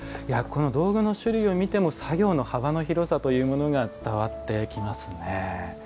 道具の種類を見ても作業の幅の広さというのが伝わってきますね。